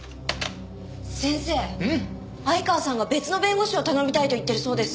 先生相川さんが別の弁護士を頼みたいと言ってるそうです。